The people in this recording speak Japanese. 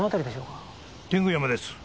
天狗山です。